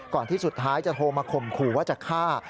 ที่สุดท้ายจะโทรมาข่มขู่ว่าจะฆ่า